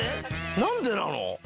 なんでなの？